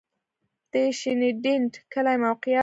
د شینډنډ کلی موقعیت